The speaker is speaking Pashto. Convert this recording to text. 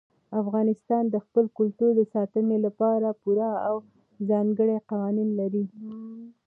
افغانستان د خپل کلتور د ساتنې لپاره پوره او ځانګړي قوانین لري.